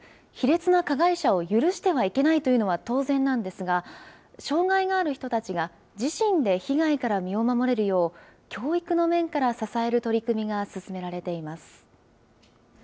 卑劣な加害者を許してはいけないというのは当然なんですが、障害がある人たちが自身で被害から身を守れるよう、教育の面から支える取り組みが進められています。